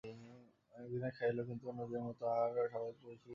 বিনয় খাইল, কিন্তু অন্য দিনের মতো তাহার স্বাভাবিক প্রফুল্লতা ছিল না।